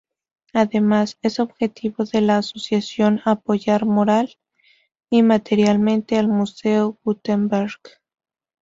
Además, es objetivo de la asociación apoyar moral y materialmente al Museo Gutenberg.